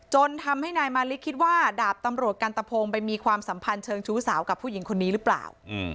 จนทำให้นายมาริคิดว่าดาบตำรวจกันตะพงไปมีความสัมพันธ์เชิงชู้สาวกับผู้หญิงคนนี้หรือเปล่า